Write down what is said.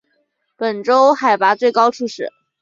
本州海拔最高处是。